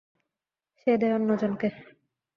সে দেয় অন্য জনকে।